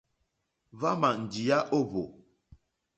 Hwámà njíyá ó hwò.